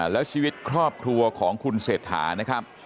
แล้วชีวิตครอบครัวของคุณเศรษฐานะครับ